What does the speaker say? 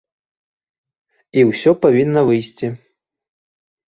І ўсё павінна выйсці.